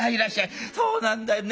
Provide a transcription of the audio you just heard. そうなんだよね